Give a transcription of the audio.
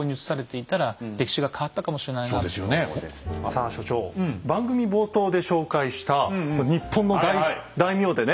さあ所長番組冒頭で紹介した日本の大名でね